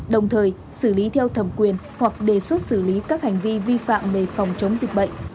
đồng thời xử lý theo thẩm quyền hoặc đề xuất xử lý các hành vi vi phạm về phòng chống dịch bệnh